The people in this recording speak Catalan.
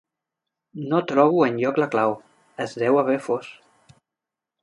No trobo enlloc la clau, es deu haver fos.